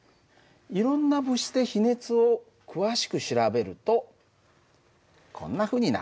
いろんな物質で比熱を詳しく調べるとこんなふうになる。